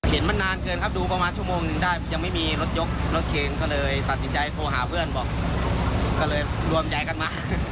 มานานเกินครับดูประมาณชั่วโมงหนึ่งได้ยังไม่มีรถยกรถเคนก็เลยตัดสินใจโทรหาเพื่อนบอกก็เลยรวมใจกันมา